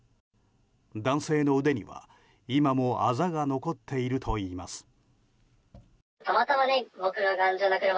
男性の腕には今もあざが残っているといいます。